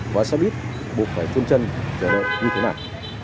hóa xe buýt buộc phải phun chân trở lại như thế này